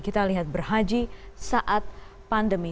kita lihat berhaji saat pandemi